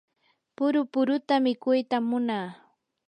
puru puruta mikuytam munaa.